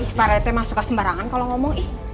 ispare teh masuklah sembarangan kalau ngomong ih